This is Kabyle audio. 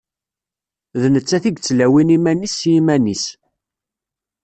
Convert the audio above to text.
D nettat i yettlawin iman-is s yiman-is.